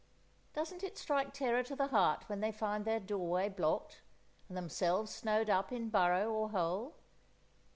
Doesn't it strike terror to the heart when they find their doorway blocked, and themselves snowed up in burrow or hole?